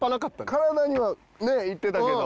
体にはね行ってたけど。